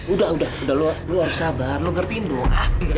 udah udah lu harus sabar lu ngertiin dong